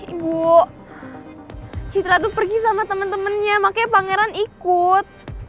ibu citra itu pergi sama temen temennya makanya pangeran ikut